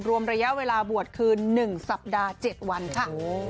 รวมระยะเวลาบวชคือ๑สัปดาห์๗วันค่ะ